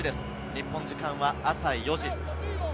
日本時間は朝４時。